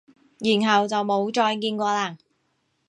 然後就冇再見過喇？